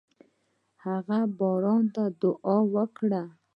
هغه باران ته دعا وکړه.